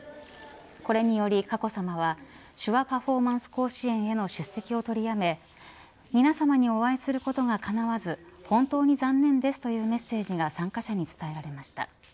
これにより佳子さまは手話パフォーマンス甲子園への出席を取りやめ皆さまにお会いすることがかなわず本当に残念ですというメッセージが参加者に伝えられました。